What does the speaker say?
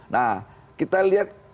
nah kita lihat